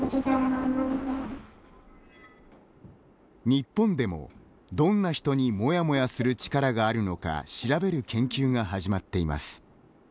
日本でも、どんな人にモヤモヤする力があるのか調べる研究が始まっています。